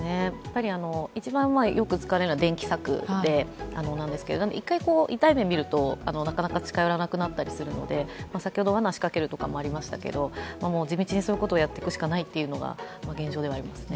一番よく使われるのは電気柵なんですけど、一回、痛い目をみると、なかなか近寄らなくなったりするので、先ほどわなを仕掛けるというのもありましたけど、地道にそういうことをやっていくしかないのというのが現状ですね。